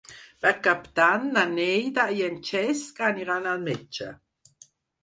Per Cap d'Any na Neida i en Cesc aniran al metge.